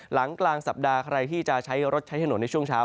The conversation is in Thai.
หลังกลางสัปดาห์ใครที่จะใช้รถใช้ถนนในช่วงเช้า